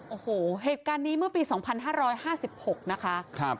โอ้โหเหตุการณ์นี้เมื่อปี๒๕๕๖นะคะ